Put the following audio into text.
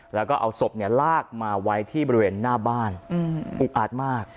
แล้วก็เอาศพลากมาไว้ที่บริเวณหน้าบ้านอุกอาดมาก